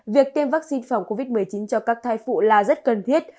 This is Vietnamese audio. việc tiêm vaccine phòng covid một mươi chín cho các thai phụ là rất cần thiết